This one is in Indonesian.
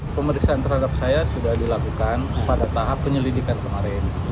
pemeriksaan terhadap saya sudah dilakukan pada tahap penyelidikan kemarin